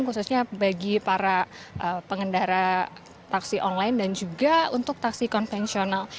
khususnya bagi para pengendara taksi online dan juga untuk taksi konvensional